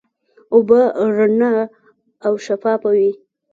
اوبه رڼا او شفافه وي.